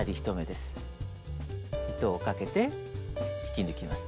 糸をかけて引き抜きます。